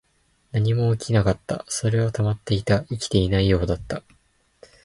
何も起きなかった。それは止まっていた。生きていないようだった。